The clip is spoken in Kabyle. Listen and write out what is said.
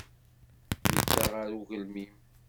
Yedda ɣer ugelmim.